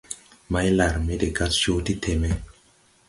Maylarme de gas coo ti teme.